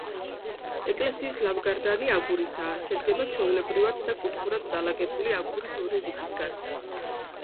ეკლესიის ლავგარდანი აგურისაა, შედგება ჩვეულებრივად და კუთხურად დალაგებული აგურის ორი რიგისგან.